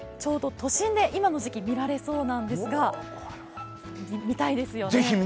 都心で今の時期見られそうなんですが、見たいですよね。